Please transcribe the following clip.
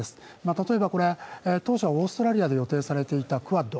例えば、当初はオーストラリアで予定されていたクアッド。